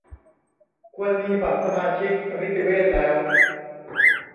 ควรมีบัตรสมาชิกสมิติเวชแล้ว